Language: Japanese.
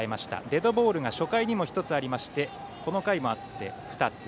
デッドボールが初回にも１つありましてこの回もあって２つ。